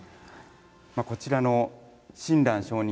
こちらの親鸞聖人